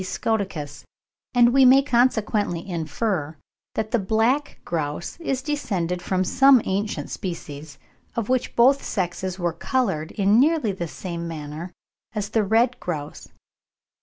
scoticus); and we may consequently infer that the black grouse is descended from some ancient species, of which both sexes were coloured in nearly the same manner as the red grouse.